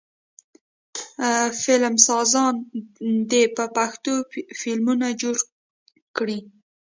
فلمسازان دې په پښتو فلمونه جوړ کړي.